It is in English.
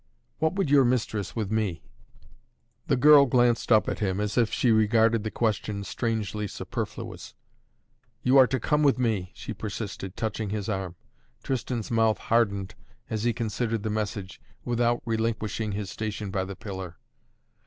"What would your mistress with me?" The girl glanced up at him, as if she regarded the question strangely superfluous. "You are to come with me!" she persisted, touching his arm. Tristan's mouth hardened as he considered the message, without relinquishing his station by the pillar.